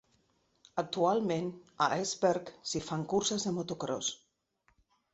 Actualment, a Erzberg s'hi fan curses de motocròs.